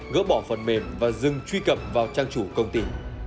gỡ bỏ phần mềm và dừng truy cập vào trang chủ công ty